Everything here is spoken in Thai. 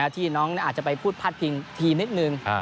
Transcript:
ที่น้องอาจจะไปพูดพลาดพิงทีมนิดนึง